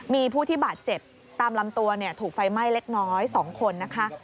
มีผู้ที่บาดเจ็บตามลำตัวถูกไฟไหม้เล็กน้อย๒คนนะคะ